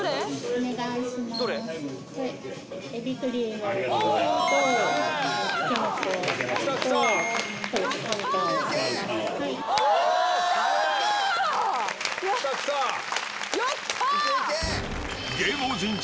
お願いします。